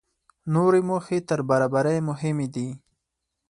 نورې موخې تر برابرۍ مهمې دي.